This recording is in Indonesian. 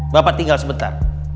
bapak tinggal sebentar